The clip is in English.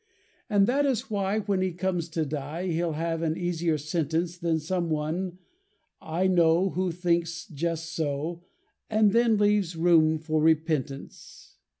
And that is why, when he comes to die, He'll have an easier sentence Than some one I know who thinks just so, And then leaves room for repentance.